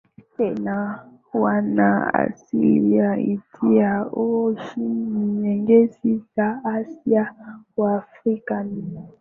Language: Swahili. tena wana asili ya India au nchi nyingine za Asia Waafrika ni